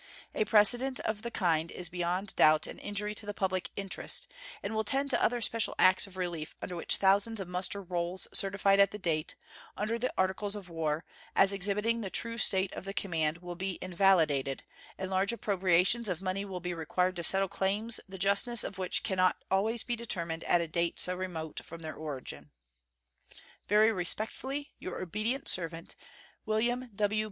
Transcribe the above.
A precedent of the kind is beyond doubt an injury to the public interest, and will tend to other special acts of relief under which thousands of muster rolls certified at the date, under the Articles of War, as exhibiting the true state of the command will be invalidated, and large appropriations of money will be required to settle claims the justness of which can not always be determined at a date so remote from their origin. Very respectfully, your obedient servant, WM.